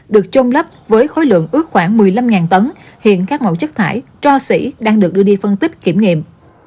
được chôm lắp với khối lượng ước khoảng một mươi năm tấn hiện các mẫu chất thải tro sỉ đang được đưa đi phân tích kiểm nghiệm